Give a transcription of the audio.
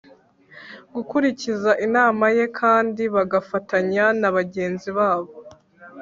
gukurikiza inama Ye kandi bagafatanya na bagenzi babo